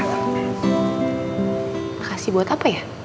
makasih buat apa ya